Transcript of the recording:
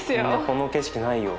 この景色ないよ。